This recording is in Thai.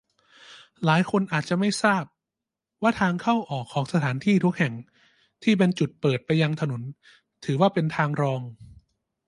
หลายคนอาจจะไม่ทราบ ว่าทางเข้าออกของสถานที่ทุกแห่งที่เป็นจุดเปิดไปยังถนน ถือว่าเป็นทางรอง